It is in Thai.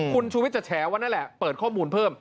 คุณชูวิทย์จะแฉว่านั่นแหละเปิดข้อมูลเพิ่ม